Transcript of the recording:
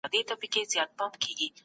د زده کړې حق بايد په قانون کي خوندي وي.